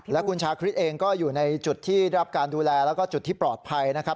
และคุณชาคริสเองก็อยู่ในจุดที่รับการดูแลแล้วก็จุดที่ปลอดภัยนะครับ